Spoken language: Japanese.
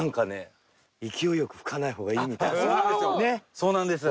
そうなんですよ。